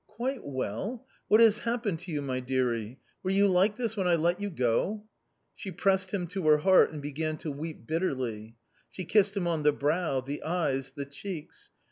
" Quite well ! What has happened to you, my dearie ? Were you like this when I let you go ?" She pressed him to her heart and began to weep bitterly. She kissed him on the brow, the eyes, the cheeks.